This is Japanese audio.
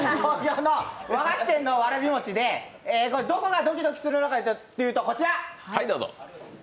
創業のわらび餅店でどこがドキドキするのかというとこちら！